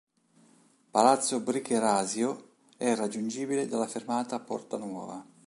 Palazzo Bricherasio è raggiungibile dalla fermata "Porta Nuova".